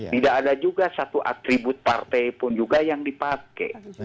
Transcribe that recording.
tidak ada juga satu atribut partai pun juga yang dipakai